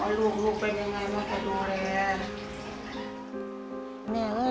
เอาลูกลูกเป็นยังไงมาดูแล